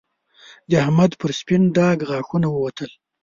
د احمد پر سپين ډاګ غاښونه ووتل